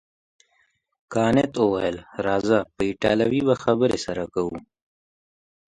کانت وویل راځه په ایټالوي به خبرې سره کوو.